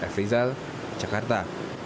f rizal jakarta